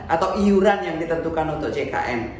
atau iuran yang ditentukan untuk jkn